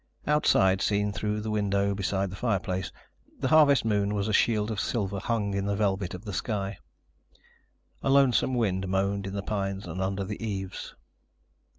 Outside, seen through the window beside the fireplace, the harvest moon was a shield of silver hung in the velvet of the sky. A lonesome wind moaned in the pines and under the eaves.